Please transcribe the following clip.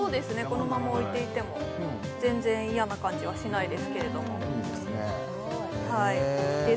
このまま置いていても全然嫌な感じはしないですけれどもいいですね